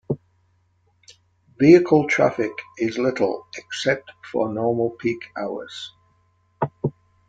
Vehicle traffic is little except for normal peak hours.